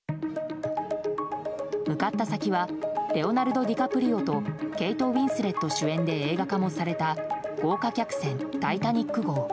向かった先はレオナルド・ディカプリオとケイト・ウィンスレット主演で映画化もされた豪華客船「タイタニック号」。